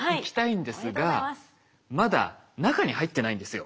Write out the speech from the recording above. まだ中に入ってないんですよ。